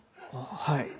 はい。